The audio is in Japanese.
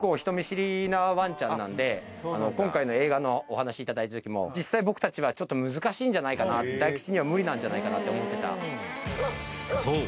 大吉くんは今回の映画のお話いただいたときも実際僕たちはちょっと難しいんじゃないかな大吉には無理なんじゃないかなって思ってたそう！